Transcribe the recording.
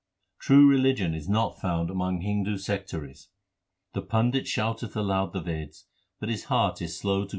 True religion is not found among Hindu sectaries: The Pandit shouteth aloud the Veds, but his heart is slow to good works.